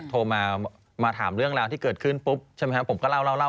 โทรมามาถามเรื่องราวที่เกิดขึ้นปุ๊บใช่ไหมฮะ